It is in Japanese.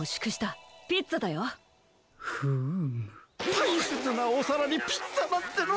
たいせつなおさらにピッツァなんてのせおって！